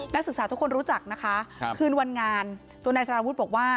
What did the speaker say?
นักศึกษาทุกคนรู้จักนะคะคืนวันงานตัวนายสารวุฒิบอกว่า